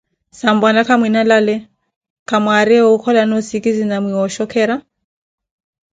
sampwana kamwinalale, kwamwaariye wookholani osikizi na mwa wooshokera?